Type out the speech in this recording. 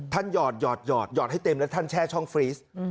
ท่านหยอดหยอดหยอดหยอดให้เต็มแล้วท่านแช่ช่องฟรีซ